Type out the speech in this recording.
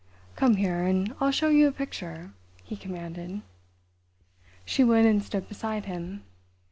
"Come here, and I'll show you a picture," he commanded. She went and stood beside him.